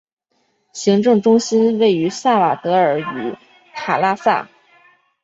行政中心位于萨瓦德尔与塔拉萨。